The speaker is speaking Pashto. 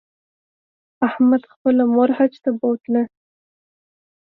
احمد خپله مور حج ته بوتله